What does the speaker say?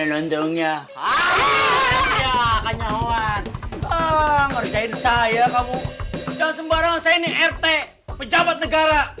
ngomong baik baik dong